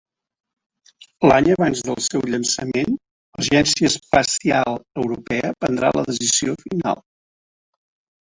L'any abans del seu llançament, l'Agència Espacial Europea prendrà la decisió final.